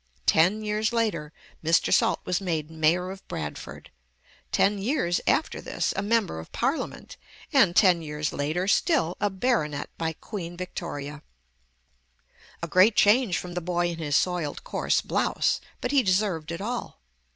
Ten years later Mr. Salt was made mayor of Bradford; ten years after this a member of Parliament, and ten years later still a baronet by Queen Victoria, a great change from the boy in his soiled coarse blouse, but he deserved it all.